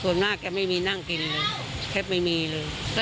ส่วนมากแกไม่มีนั่งกินเลยแทบไม่มีเลย